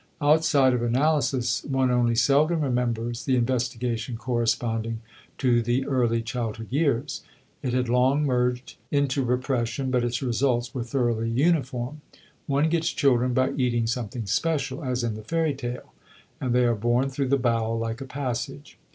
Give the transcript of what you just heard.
Outside of analysis one only seldom remembers the investigation corresponding to the early childhood years; it had long merged into repression but its results were thoroughly uniform. One gets children by eating something special (as in the fairy tale) and they are born through the bowel like a passage.